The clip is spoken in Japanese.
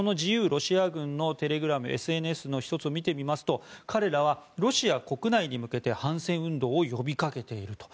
ロシア軍のテレグラムＳＮＳの１つを見てみますと彼らはロシア国内に向けて反戦運動を呼びかけていると。